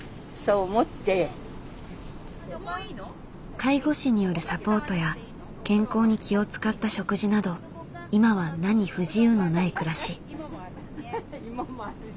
介護士によるサポートや健康に気を遣った食事など今は何不自由のない暮らし。